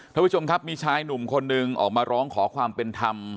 ท่านผู้ชมครับมีชายหนุ่มคนหนึ่งออกมาร้องขอความเป็นธรรม